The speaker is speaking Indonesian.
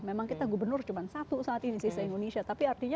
memang kita gubernur cuma satu saat ini sih se indonesia tapi artinya